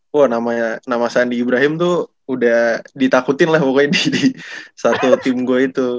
wah nama sandi ibrahim tuh udah ditakutin lah pokoknya di satu tim gue itu